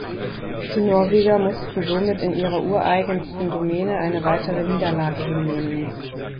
Die Norweger mussten somit in ihrer ureigensten Domäne eine weitere Niederlage hinnehmen.